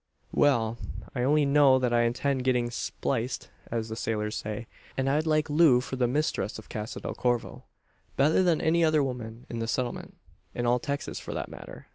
"Well, I only know that I intend getting `spliced,' as the sailors say; and I'd like Loo for the mistress of Casa del Corvo, better than any other woman in the Settlement in all Texas, for that matter."